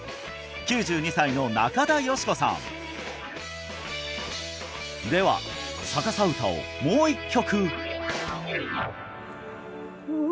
９２歳の中田芳子さんでは逆さ歌をもう一曲！